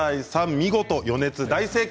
見事、予熱、大正解。